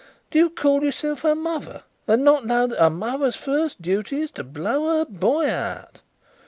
Do you call yourself a mother, and not know that a mother's first duty is to blow her boy out?"